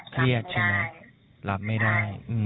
เตรียดค่ะรับไม่ได้